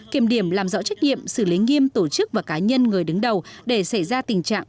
kiểm điểm làm rõ trách nhiệm xử lý nghiêm tổ chức và cá nhân người đứng đầu để xảy ra tình trạng